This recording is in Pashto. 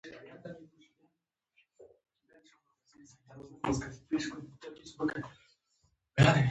مخکې هم یادونه وشوه، چې چیک ډیمونه جوړ شوي دي.